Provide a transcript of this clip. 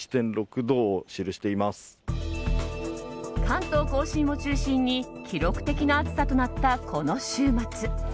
関東・甲信を中心に記録的な暑さとなったこの週末。